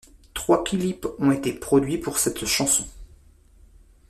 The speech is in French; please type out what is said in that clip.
Trois clips ont été produits pour cette chanson.